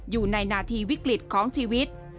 อยู่ในนาทีวิกฤตของชีวิต